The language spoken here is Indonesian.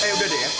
eh udah deh ya